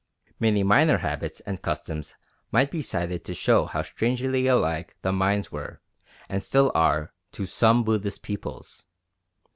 Many minor habits and customs might be cited to show how strangely alike the Mayans were, and still are, to some Buddhist peoples.